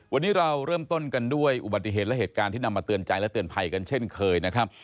วันนี้เราเริ่มต้นกันด้วยอุบัติเหตุและเหตุการณ์ที่นำมาเตือนใจและเตือนภัยกันเช่นเคยนะครับ